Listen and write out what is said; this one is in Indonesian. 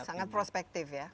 sangat prospektif ya